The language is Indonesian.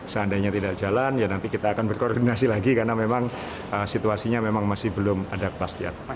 seandainya tidak jalan ya nanti kita akan berkoordinasi lagi karena memang situasinya memang masih belum ada kepastian